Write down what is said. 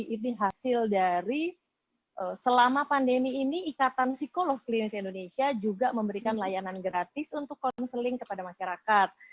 ini hasil dari selama pandemi ini ikatan psikolog klinis indonesia juga memberikan layanan gratis untuk konseling kepada masyarakat